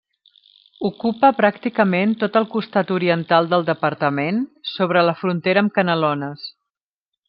Ocupa pràcticament tot el costat oriental del departament, sobre la frontera amb Canelones.